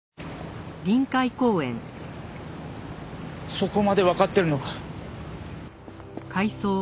そこまでわかってるのか。